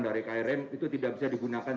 dari krln itu tidak bisa digunakan